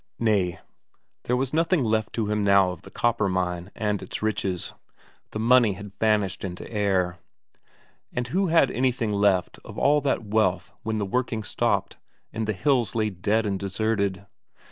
Nay, there was nothing left to him now of the copper mine and its riches the money had vanished into air. And who had anything left of all that wealth when the working stopped, and the hills lay dead and deserted?